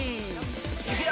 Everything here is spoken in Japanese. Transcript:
いくよ！